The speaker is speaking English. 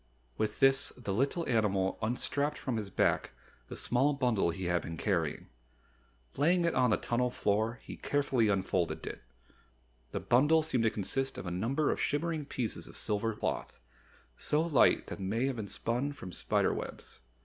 With this the little animal unstrapped from his back the small bundle he had been carrying. Laying it on the tunnel floor, he carefully unfolded it. The bundle seemed to consist of a number of shimmering pieces of silver cloth, so light they might have been spun from spider webs.